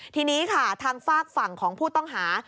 ทีนี้ค่ะทางฝากฝั่งของผู้ต้องหา